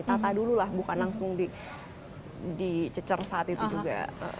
tata dulu lah bukan langsung dicecer saat itu juga